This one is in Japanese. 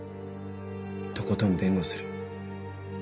とことん弁護する。